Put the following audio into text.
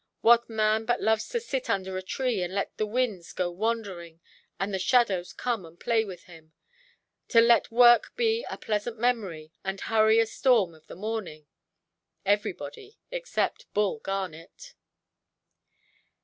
What man but loves to sit under a tree, and let the winds go wandering, and the shadows come and play with him, to let work be a pleasant memory, and hurry a storm of the morning? Everybody except Bull Garnet.